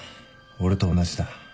俺と同じだ